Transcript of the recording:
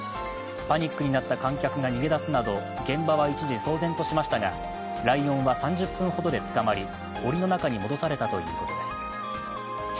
パニックになった観客が逃げ出すなど現場は一時騒然としましたがライオンは３０分ほどで捕まりおりの中に戻されたということです。